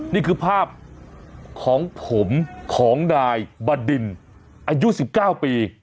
นี่คือภาพของผมของนายบดินอายุ๑๙ปี